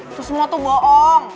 itu semua tuh boong